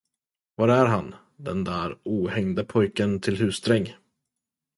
Var är han, den där ohängda pojken till husdräng?